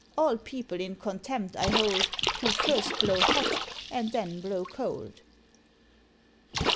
All people in contempt I hold, Who first blow hot, and then blow cold!"